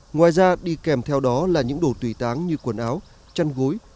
ngoài ra đi kèm theo đó là những đồ tùy táng như quần áo chăn gối